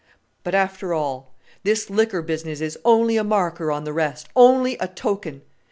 "But after all, this liquor business is only a marker on the rest, only a token.